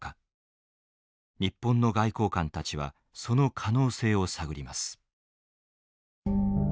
日本の外交官たちはその可能性を探ります。